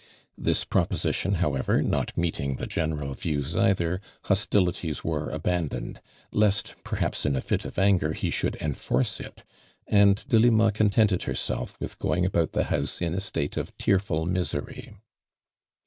This proposi tion, however, not meeting the general views either, hostilities were abandoned, lest, perha2»s in a fit of anger he should enforce it, and Delima contented herself with going about the house in a state of tearful misery.